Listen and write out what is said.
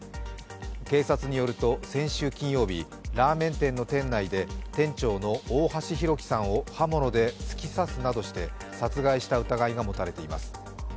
警察によると先週金曜日、ラーメン店の店内で店長の大橋弘輝さんを刃物で突き刺すなどして殺害した疑いが持たれています。